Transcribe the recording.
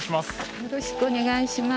よろしくお願いします。